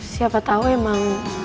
siapa tau emang